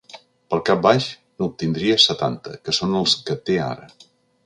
Pel cap baix, n’obtindria setanta, que són els que té ara.